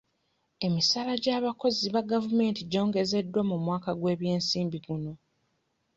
Emisaala gy'abakozi ba gavumenti gyongezeddwa mu mwaka gw'ebyensimbi guno.